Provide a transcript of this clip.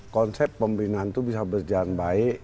konsep pembinaan itu bisa berjalan baik